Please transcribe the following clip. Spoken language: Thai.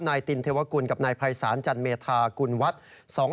ตินเทวกุลกับนายภัยศาลจันเมธากุลวัฒน์